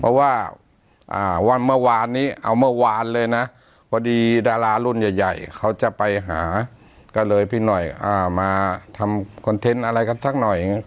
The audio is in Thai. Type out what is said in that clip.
เพราะว่าวันเมื่อวานนี้เอาเมื่อวานเลยนะพอดีดารารุ่นใหญ่เขาจะไปหาก็เลยพี่หน่อยมาทำคอนเทนต์อะไรกันสักหน่อย